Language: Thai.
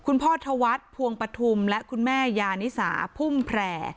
คุณพ่อธวัฒน์ภวงปฐุมและคุณแม่ยานิสาพุ่มแพร่